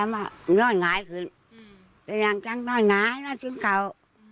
วันเติมเอาแพงมานอนไหนคืนแต่ยังจังนอนไหนน่ะจนกล่าว